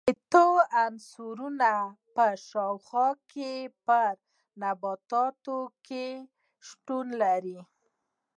شپیتو عنصرونو په شاوخوا کې په نباتاتو کې شتون لري.